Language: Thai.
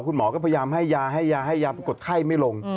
คุณหมอก็พยายามให้ยาขดไข้ไม่ลง